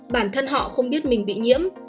bản thân họ không biết mình bị nhiễm